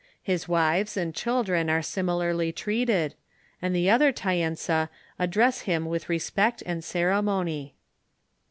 His wives and children are similarly treated, and the other Taensa address him with respect and ceremony.